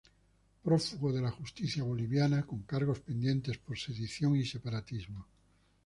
Prófugo de la justicia boliviana, con cargos pendientes por sedición y separatismo.